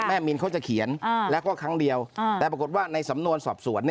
แม่มีนเขาจะเขียนอ่าแล้วก็ครั้งเดียวอ่าแต่ปรากฏว่าในสำนวนสอบสวนเนี่ย